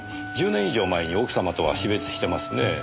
１０年以上前に奥様とは死別してますねえ。